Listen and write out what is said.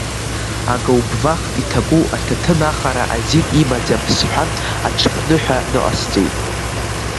Агауптвахт иҭаку аҭаҭын ахара азин имаӡам, — сҳәан, аҽԥныҳәа ныҟасҵеит.